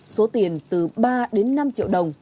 số tiền từ ba đến năm triệu đồng